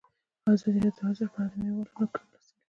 ازادي راډیو د ورزش په اړه د مینه والو لیکونه لوستي.